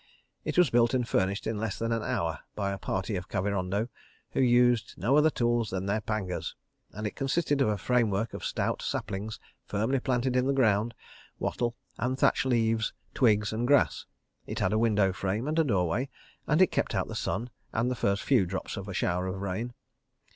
It was built and furnished in less than an hour by a party of Kavirondo, who used no other tools than their pangas, and it consisted of a framework of stout saplings firmly planted in the ground, wattle, and thatched leaves, twigs and grass. It had a window frame and a doorway, and it kept out the sun and the first few drops of a shower of rain.